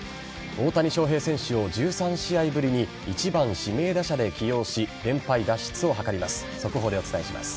大谷翔平選手を１３試合ぶりに１番・指名打者で起用し連敗脱出を図ります。